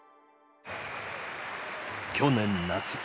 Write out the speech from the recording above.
去年夏。